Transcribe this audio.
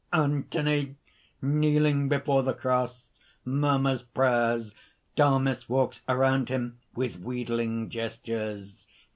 (_Anthony kneeling before the cross, murmurs prayers. Damis walks around him, with wheedling gestures.